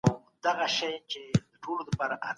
روښانه فکر مو د ژوند د خنډونو په لري کولو کي مرسته کوي.